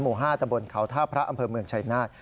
หมู่๕ตะบนเขาท่าพระอำเภอเมืองชายนาฏ